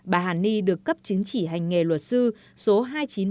bà hà ni được cấp chính chỉ hành nghề luật sư số hai nghìn chín trăm bốn mươi bốn tp hcm